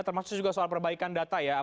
termasuk juga soal perbaikan data ya